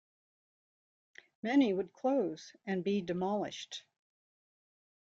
Many would close and be demolished.